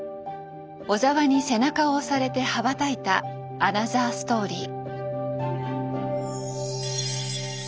小澤に背中を押されて羽ばたいたアナザーストーリー。